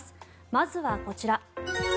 まずはこちら。